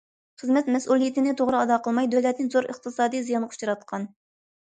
خىزمەت مەسئۇلىيىتىنى توغرا ئادا قىلماي دۆلەتنى زور ئىقتىسادىي زىيانغا ئۇچراتقان.